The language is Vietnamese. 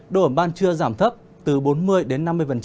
độ ẩm ban trưa giảm thấp từ bốn mươi đến năm mươi